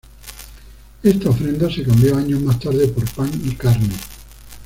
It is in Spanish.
Esta ofrenda se cambió años más tarde por pan y carne.